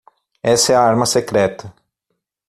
Essa é a arma secreta